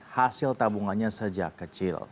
hasil tabungannya sejak kecil